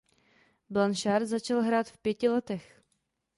Blanchard začal hrát ve pěti letech.